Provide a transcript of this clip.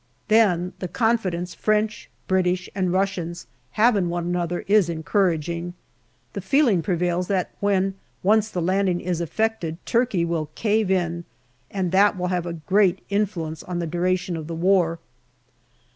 Then the confidence French, British, and Russians have in one another is encouraging. The feeling prevails that when once the landing is effected APRIL 29 Turkey will cave in, and that will have a great influence on the duration of the war.